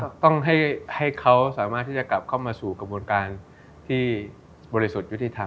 ก็ต้องให้เขาสามารถที่จะกลับเข้ามาสู่กระบวนการที่บริสุทธิ์ยุติธรรม